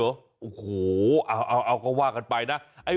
โอ้โหเอาก็ว่ากันไปนะ